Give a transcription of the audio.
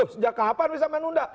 sejak kapan bisa menunda